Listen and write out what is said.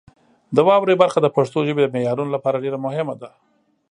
د واورئ برخه د پښتو ژبې د معیارونو لپاره ډېره مهمه ده.